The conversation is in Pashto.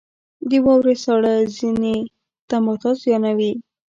• د واورې ساړه ځینې نباتات زیانمنوي.